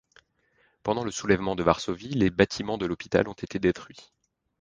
Pendant le soulèvement de Varsovie, les bâtiments de l’hôpital ont été détruits.